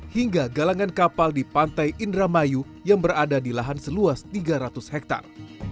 hingga galangan kapal di pantai indramayu yang berada di lahan seluas tiga ratus hektare